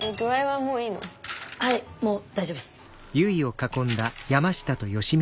はいもう大丈夫っす。